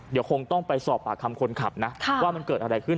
เดี๋ยวคงต้องไปสอบปากคำคนขับนะว่ามันเกิดอะไรขึ้น